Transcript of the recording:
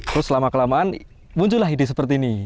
terus lama kelamaan muncullah ide seperti ini